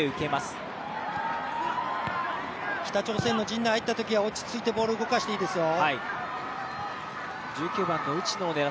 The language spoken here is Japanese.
北朝鮮の陣内に入ったときは落ち着いてボールを動かしていいですよ。